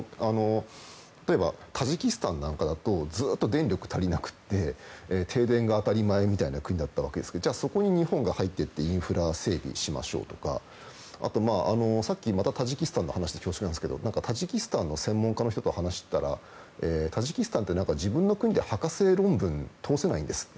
例えば、タジキスタンなんかだとずっと電力が足りなくて停電が当たり前みたいな国だったわけですがそこに日本が入っていってインフラを整備しましょうとかあとは、タジキスタンの話で恐縮なんですけどタジキスタンの専門家の方と話したらタジキスタンって自分の国で博士論文を通せないんですって。